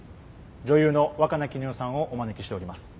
女優の若菜絹代さんをお招きしております。